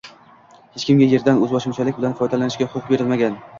Hech kimga yerdan o‘zboshimchalik bilan foydalanishga huquq berilmagan